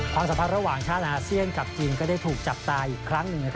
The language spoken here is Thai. สัมพันธ์ระหว่างชาติอาเซียนกับจีนก็ได้ถูกจับตาอีกครั้งหนึ่ง